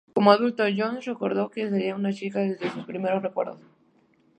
Como adulto, Jones recordó que quería ser una chica desde sus primeros recuerdos.